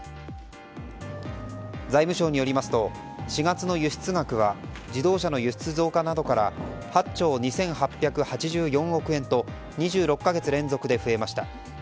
財務省によりますと４月の輸出額は自動車の輸出増加などから８兆２８８４億円と２６か月連続で増えました。